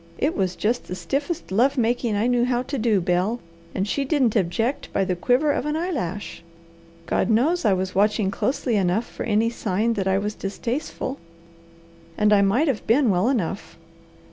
It was just the stiffest love making I knew how to do, Bel, and she didn't object by the quiver of an eyelash. God knows I was watching closely enough for any sign that I was distasteful. And I might have been well enough.